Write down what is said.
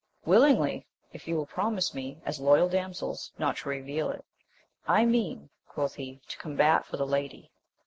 — Willingly, if you will promise me, as loyal damsels, not to reveal it, I mean, quoth he, to combat for the lady.